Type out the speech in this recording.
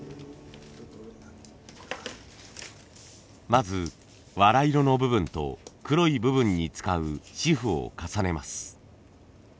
まず藁色の部分と黒い部分に使う紙布を重ねます。